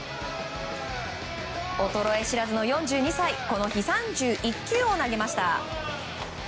衰え知らずの４２歳この日、３１球を投げました。